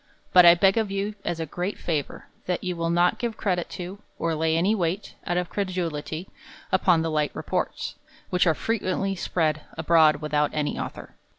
But I beg of you, as a great favour, that you will not give credit to, or lay any weight, out of credulity, upon the light reports, which are frequently spread abroad without any author.